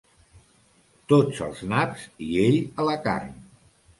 Tots als naps i ell a la carn.